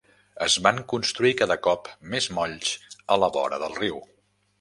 Es van construir cada cop més molls a la vora del riu.